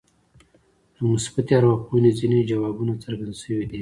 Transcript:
له مثبتې ارواپوهنې ځينې ځوابونه څرګند شوي دي.